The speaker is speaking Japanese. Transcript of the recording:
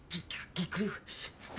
ぎっくり腰。